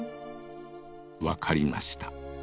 分かりました。